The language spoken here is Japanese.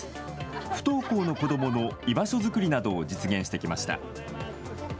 不登校の子どもの居場所づくりなどを実現してきました。